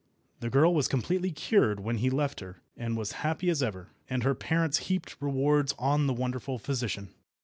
The girl was completely cured when he left her, and was as happy as ever, and her parents heaped rewards on the wonderful physician.